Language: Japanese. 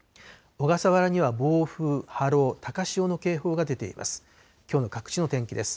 小笠原には暴風、波浪、高潮の警報が出ています。